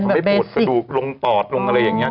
ทำให้ปวดประดูกลงตอดลงอะไรอย่างนี้